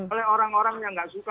oleh orang orang yang nggak suka